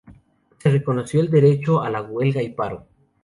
Se reconoció el derecho a la huelga y paro.